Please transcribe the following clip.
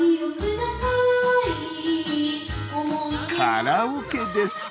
カラオケです。